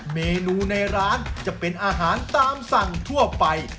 เมนูในร้านจะเป็นอาหารตามสั่งทั่วไป